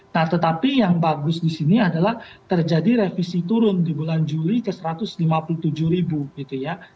nah tetapi yang bagus di sini adalah terjadi revisi turun di bulan juli ke satu ratus lima puluh tujuh ribu gitu ya